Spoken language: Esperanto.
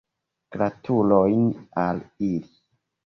Gratulojn al ili.